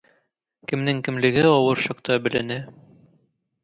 Кемнең кемлеге авыр чакта беленә.